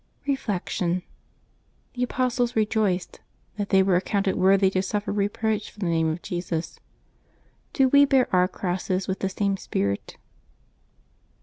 Reflection. — The apostles rejoiced " that they were ac counted worthy to suffer reproach for the name of Jesus." Do we bear our crosses with the same spirit?